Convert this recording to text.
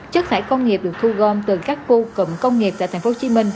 chất thải công nghiệp được thu gom từ các khu cụm công nghiệp tại tp hcm